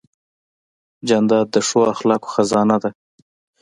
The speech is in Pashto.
جانداد د ښو اخلاقو خزانه ده.